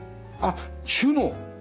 あっ収納？